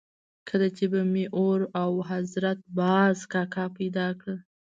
کله چې به مې اور او حضرت باز کاکا پیدا کړل.